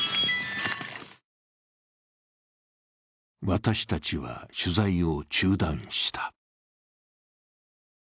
私たちは取材を中断した。